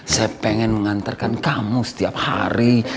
saya pengen mengantarkan kamu setiap hari